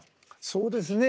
そうですね。